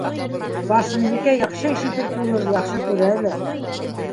Барсынбикә яҡшы ишетеү түгел, яҡшы күрә лә.